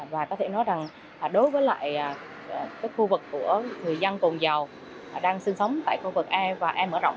và có thể nói rằng đối với lại khu vực của người dân cồn dầu đang sinh sống tại khu vực e và e mở rộng